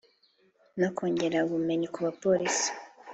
no kongera ubumenyi ku bapolisi